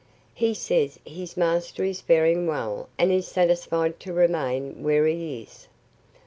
He says his master is faring well and is satisfied to remain where he is.